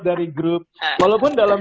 dari grup walaupun dalam